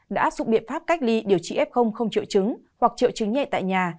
đã áp dụng biện pháp cách ly điều trị f không triệu chứng hoặc triệu chứng nhẹ tại nhà